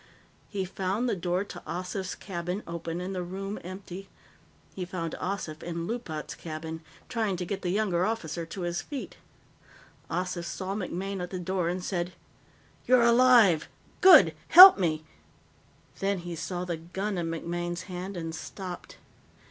He found the door to Ossif's cabin open and the room empty. He found Ossif in Loopat's cabin, trying to get the younger officer to his feet. Ossif saw MacMaine at the door and said: "You're alive! Good! Help me " Then he saw the gun in MacMaine's hand and stopped.